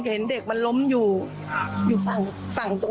ก็เห็นเด็กมันล้มอยู่อยู่ฝั่งตรงนั้นค่ะ